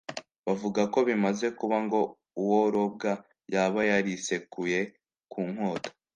Bavuga ko bimaze kuba ngo uwo Robwa yaba yarisekuye ku nkota